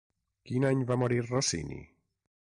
Quin any va morir Rossini?